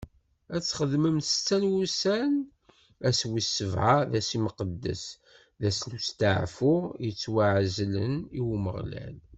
Ad txeddmem setta n wussan, ass wis sebɛa d ass imqeddes, d ass n usteɛfu yettwaɛezlen i Umeɣlal.